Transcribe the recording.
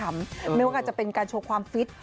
ไม่ว่าจะเป็นการโชว์ความฟิต